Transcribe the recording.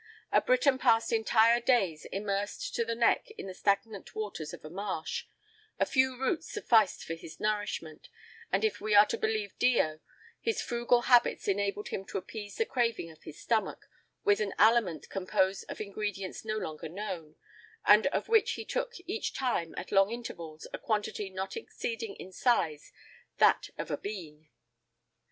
A Briton passed entire days immersed to the neck in the stagnant waters of a marsh; a few roots sufficed for his nourishment, and, if we are to believe Dio, his frugal habits enabled him to appease the craving of his stomach with an aliment composed of ingredients no longer known, and of which he took each time, at long intervals, a quantity not exceeding in size that of a bean.